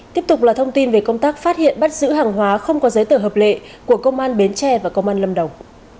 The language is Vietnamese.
tiếp tục là thông tin về công tác phát hiện bắt giữ hàng hóa không có giấy tờ hợp lệ của công an bến tre và công an lâm đồng